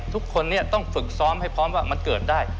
ทุกคนนี้ต้องฝึกซ้อมให้พร้อมว่ามันเกิดได้